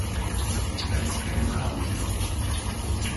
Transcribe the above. Veľké Zálužie